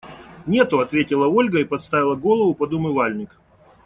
Нету, – ответила Ольга и подставила голову под умывальник.